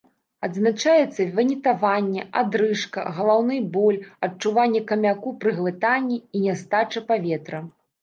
Адзначаецца ванітаванне, адрыжка, галаўны боль, адчуванне камяку пры глытанні і нястача паветра.